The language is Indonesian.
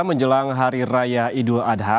menjelang hari raya idul adha